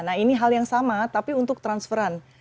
nah ini hal yang sama tapi untuk transferan